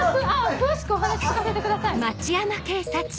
詳しくお話聞かせてください。